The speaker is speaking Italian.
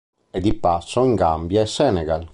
È di passo in Gambia e Senegal.